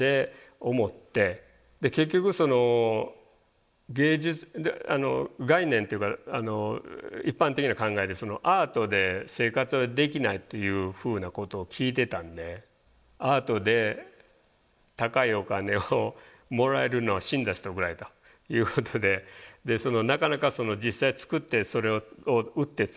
結局その芸術概念っていうか一般的な考えでアートで生活はできないというふうなことを聞いてたんでアートで高いお金をもらえるのは死んだ人ぐらいということでなかなか実際作ってそれを売ってつなげられる。